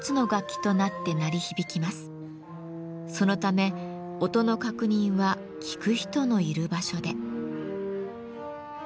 そのため音の確認は聴く人のいる場所で。